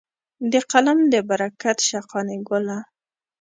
د قلم دې برکت شه قانع ګله.